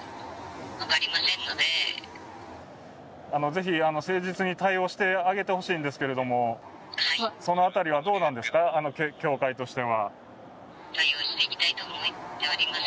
ぜひ誠実に対応してあげてほしいんですけれども、その辺りはどうなんですか、教会としては。